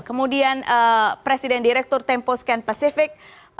kemudian presiden direktur tempo scan pacific